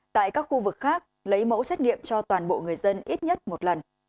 tại các khu vực khác lấy mẫu xét nghiệm cho toàn bộ người dân ít nhất một lần